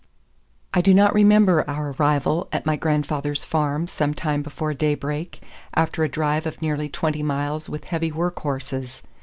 II I DO not remember our arrival at my grandfather's farm sometime before daybreak, after a drive of nearly twenty miles with heavy work horses.